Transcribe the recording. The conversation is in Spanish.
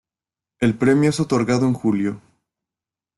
El premio es otorgado en julio.